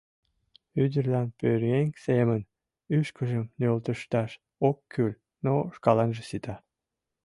Ӱдырлан пӧръеҥ семын ӱшкыжым нӧлтышташ ок кӱл, но шкаланже сита...